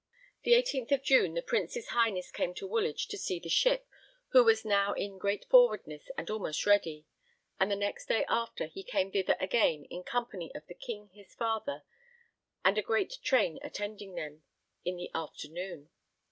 The 18th of June the Prince's Highness came to Woolwich, to see the ship, who was now in great forwardness and almost ready; and the next day after he came thither again in company of the King his father, and a great train attending on them, in the afternoon.